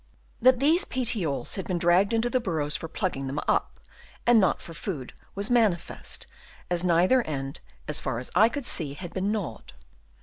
That these petioles had been dragged into the burrows for plugging them up, and not for food, was manifest, as neither end, as far as I could see, had been gnawed.